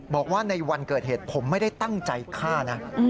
บอกว่าในวันเกิดเหตุผมไม่ได้ตั้งใจฆ่านะ